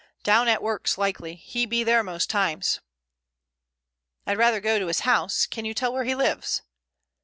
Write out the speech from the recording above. "Down at works likely. He be there most times." "I'd rather go to his house. Can you tell where he lives?"